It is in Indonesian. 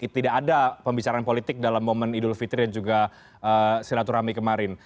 tidak ada pembicaraan politik dalam momen idul fitri dan juga silaturahmi kemarin